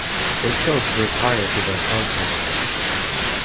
They chose to retire to their houses.